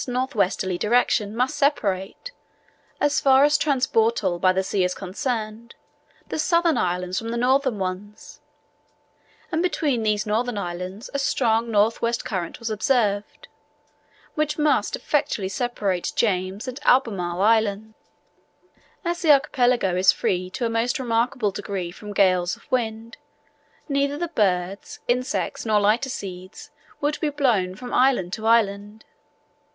N.W. direction must separate, as far as transportal by the sea is concerned, the southern islands from the northern ones; and between these northern islands a strong N.W. current was observed, which must effectually separate James and Albemarle Islands. As the archipelago is free to a most remarkable degree from gales of wind, neither the birds, insects, nor lighter seeds, would be blown from island to island.